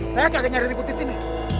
saya kagak nyari ribut disini